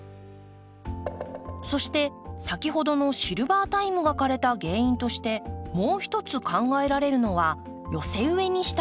そして先ほどのシルバータイムが枯れた原因としてもう一つ考えられるのは寄せ植えにしたことです。